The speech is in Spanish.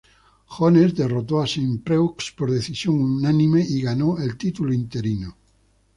Jones derrotó a Saint Preux por decisión unánime y ganó el título interino.